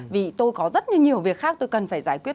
vì tôi có rất nhiều việc khác tôi cần phải giải quyết